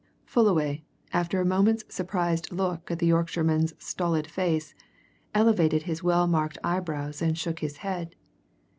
Fullaway, after a moment's surprised look at the Yorkshireman's stolid face, elevated his well marked eyebrows and shook his head.